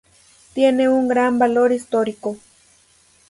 Tiene un gran valor histórico.